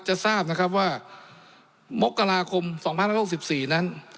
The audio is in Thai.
จะทราบนะครับว่ามกราคม๒๑๖๔นั้น